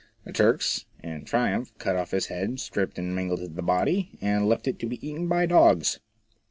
The Turks in triumph cut off his head, stripped and mangled the body, and left it to be eaten by dogs.